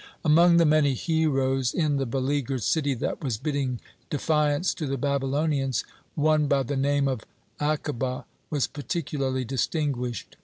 Among the many heroes in the beleaguered city that was bidding defiance to the Babylonians, one by the name of Akiba was particularly distinguished.